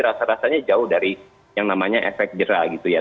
rasa rasanya jauh dari yang namanya efek jerah gitu ya